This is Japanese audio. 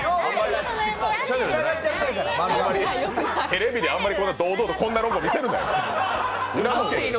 テレビであんまり堂々と、こんなロゴ出すなよ。